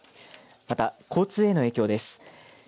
また交通への影響です。